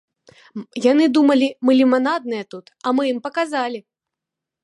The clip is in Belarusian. Яны думалі, мы ліманадныя тут, а мы ім паказалі!